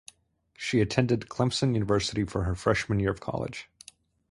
She attended Clemson University for her freshman year of college.